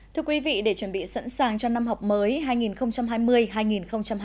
thưa quý vị để chuẩn bị sẵn sàng cho năm học mới hai nghìn hai mươi hai nghìn hai mươi một